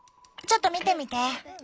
ちょっと見てみて。